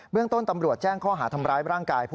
เรื่องต้นตำรวจแจ้งข้อหาทำร้ายร่างกาย